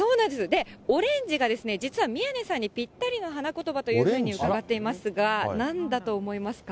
で、オレンジが実は宮根さんにぴったりの花言葉というふうに伺っていますが、なんだと思いますか？